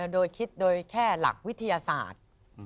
โดยแค่หลักวิทยาศาสตร์